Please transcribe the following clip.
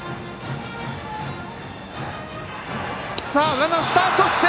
ランナースタートして。